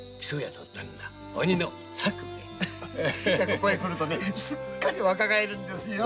ここへ来るとすっかり若返るんですよ。